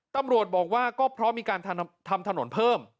ตำรวจบอกว่าก็เพราะมีการทำถนนเพิ่ม